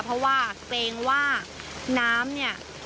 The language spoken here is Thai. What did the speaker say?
เพราะว่าเกรงว่าน้ำเนี่ย